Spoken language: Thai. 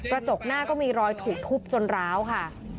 กระจกหน้าก็มีรอยถูกทุบจนร้าวค่ะ